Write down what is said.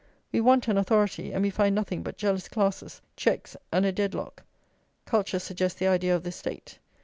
We want an authority, and we find nothing but jealous classes, checks, and a dead lock; culture suggests the idea of the State.